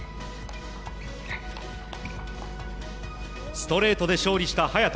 ストレートで勝利した早田。